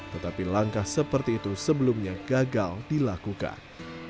tetapi langkah seperti itu sebelumnya gagal dilakukan